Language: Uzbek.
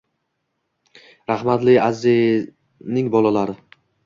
Rahmatli Azimning bolalarini.